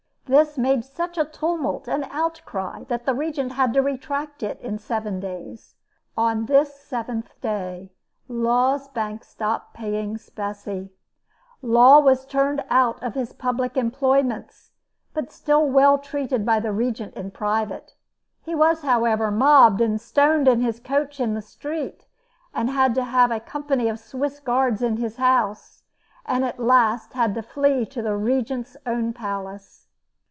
This made such a tumult and outcry that the Regent had to retract it in seven days. On this seventh day, Law's bank stopped paying specie. Law was turned out of his public employments, but still well treated by the Regent in private. He was, however, mobbed and stoned in his coach in the street, had to have a company of Swiss Guards in his house, and at last had to flee to the Regent's own palace.